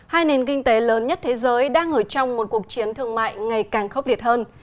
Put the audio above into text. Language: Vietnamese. hai nền kinh tế lớn nhất thế giới đang ở trong một cuộc chiến thương mại ngày càng khốc liệt hơn